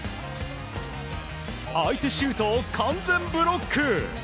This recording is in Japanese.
相手シュートを完全ブロック。